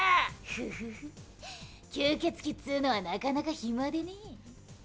フフフ吸血鬼っつうのはなかなか暇でね。